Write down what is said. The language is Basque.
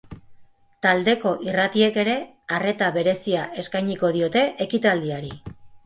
Taldeko irratiek ere, arreta berezia eskainiko diote ekitaldiari.